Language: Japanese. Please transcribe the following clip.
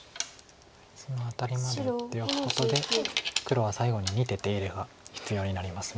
そのアタリまで打っておくことで黒は最後に２手手入れが必要になります。